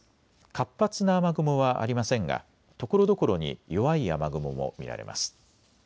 活発な雨雲はありませんがところどころに弱い雨雲も見られます。